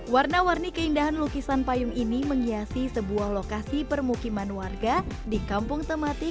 warna warni keindahan lukisan payung ini menghiasi sebuah lokasi permukiman warga di kampung tematik